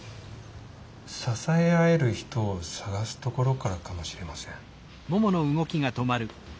支え合える人を探すところからかもしれません。